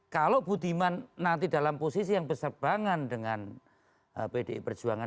kalau budiman nanti dalam posisi yang bersebangan dengan pdi perjuangan